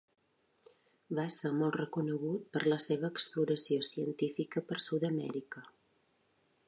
Va ser molt reconegut per la seva exploració científica per Sud-amèrica.